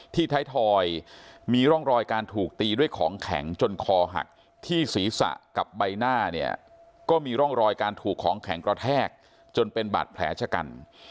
ท้ายทอยมีร่องรอยการถูกตีด้วยของแข็งจนคอหักที่ศีรษะกับใบหน้าเนี่ยก็มีร่องรอยการถูกของแข็งกระแทกจนเป็นบาดแผลชะกัน